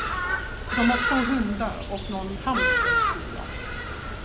De har två hundar och nån hamster, tror jag.